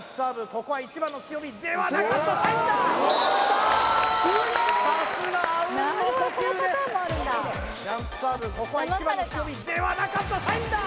ここは一番の強みではなかったサインだ！